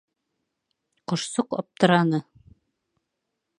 Ҡошсоҡ аптыраны.